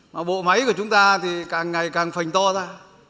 mà bộ máy của chúng ta thì càng ngày càng phành to ra